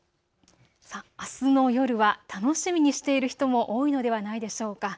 あすの夜は楽しみにしている人も多いのではないでしょうか。